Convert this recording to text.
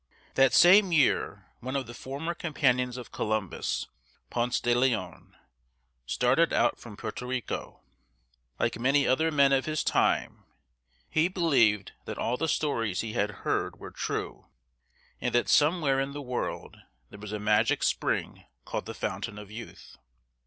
That same year one of the former companions of Columbus, Pōnce de Leon, started out from Puerto Rico (pwĕr´tō re´co). Like many other men of his time, he believed that all the stories he had heard were true, and that somewhere in the world there was a magic spring called the Fountain of Youth.